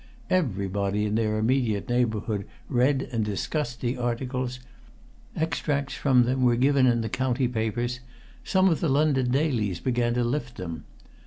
Everybody in their immediate neighbourhood read and discussed the articles; extracts from them were given in the county papers; some of the London dailies began to lift them.